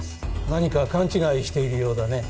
何か勘違いしているようだね